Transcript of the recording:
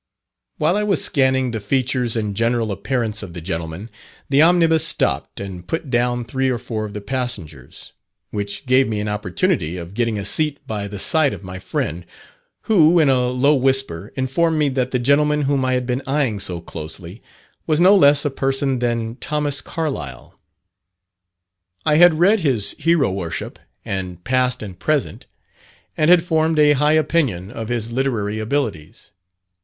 While I was scanning the features and general appearance of the gentleman, the Omnibus stopped and put down three or four of the passengers, which gave me an opportunity of getting a seat by the side of my friend, who, in a low whisper, informed me that the gentleman whom I had been eyeing so closely, was no less a person than Thomas Carlyle. I had read his "Hero worship," and "Past and Present," and had formed a high opinion of his literary abilities.